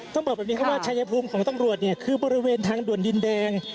ต้องบอกแบบนี้ครับว่าชายภูมิของตำรวจเนี่ยคือบริเวณทางด่วนดินแดง